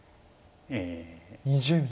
２０秒。